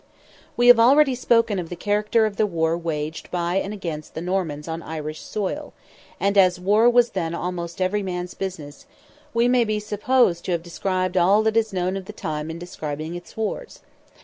We have already spoken of the character of the war waged by and against the Normans on Irish soil, and as war was then almost every man's business, we may be supposed to have described all that is known of the time in describing its wars.